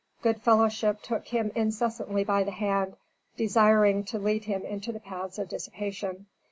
Good fellowship took him incessantly by the hand, desiring to lead him into the paths of dissipation.